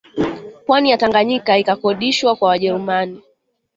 Pwani ya Tanganyika ikakodishwa kwa Wajerumani